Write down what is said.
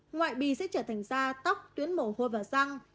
ngoại bị sẽ trở thành da tóc tuyến mổ hôi và răng